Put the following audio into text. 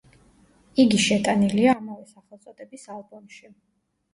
იგი შეტანილია ამავე სახელწოდების ალბომში.